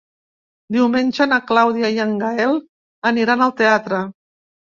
Diumenge na Clàudia i en Gaël aniran al teatre.